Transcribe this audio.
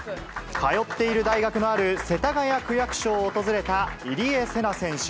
通っている大学のある世田谷区役所を訪れた入江聖奈選手。